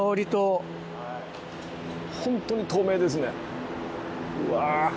ホントに透明ですねうわ